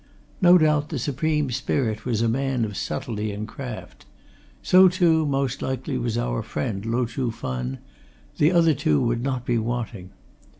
No doubt the supreme spirit was a man of subtlety and craft; so, too, most likely was our friend Lo Chuh Fen; the other two would not be wanting.